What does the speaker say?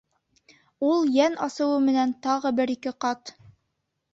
Ул йән асыуы менән тағы бер-ике ҡат: